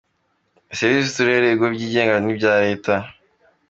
Servisi z’Uturere, ibigo byigenga n’ibya Leta .